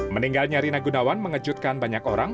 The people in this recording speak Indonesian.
meninggalnya rina gunawan mengejutkan banyak orang